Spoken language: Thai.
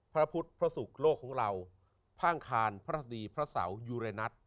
พระพุทธพระศุกร์โลกของเราข้างคารพระศดีพระเสายูเรนัท